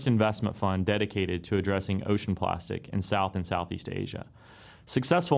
dan kami juga mendapatkan pemerintah yang berpengaruh untuk mengembangkan plastik laut di tenggara dan indonesia